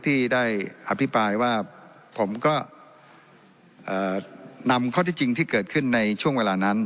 ที่ได้อภิปรายว่าผมก็นำข้อที่จริงที่เกิดขึ้นในช่วงเวลานั้น